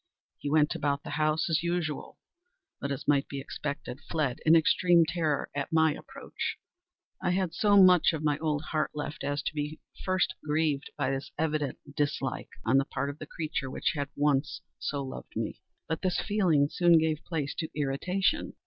He went about the house as usual, but, as might be expected, fled in extreme terror at my approach. I had so much of my old heart left, as to be at first grieved by this evident dislike on the part of a creature which had once so loved me. But this feeling soon gave place to irritation.